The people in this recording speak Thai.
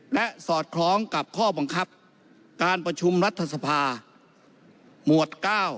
และสอดคล้องกับข้อบังคับการประชุมรัฐสภาหมวด๙